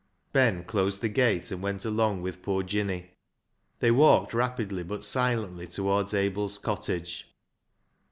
Ben closed the gate and went along with poor Jinny. They walked rapidly but silently towards Abel's cottage.